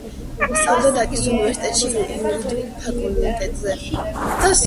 სწავლობდა დაკის უნივერსიტეტში იურიდიულ ფაკულტეტზე.